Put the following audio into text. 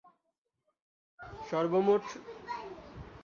সর্বমোট ষোলো রান তুলতে সমর্থ হয়েছিলেন।